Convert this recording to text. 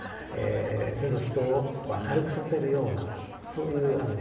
とにかく人を明るくさせるようなそういうホストで。